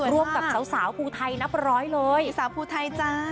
ร่วมกับสาวภูไทยนับร้อยเลยสาวภูไทยจ้า